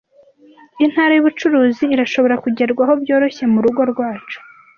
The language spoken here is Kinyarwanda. Intara yubucuruzi irashobora kugerwaho byoroshye murugo rwacu.